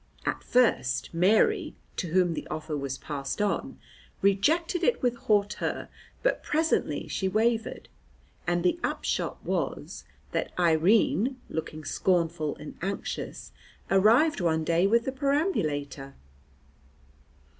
At first Mary, to whom the offer was passed on, rejected it with hauteur, but presently she wavered, and the upshot was that Irene, looking scornful and anxious, arrived one day with the perambulator.